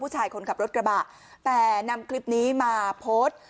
ชายคนขับรถกระบะแต่นำคลิปนี้มาโพสต์